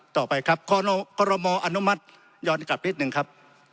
ต่อไปครับคอรมออนุมัติย้อนกลับนิดนึงครับ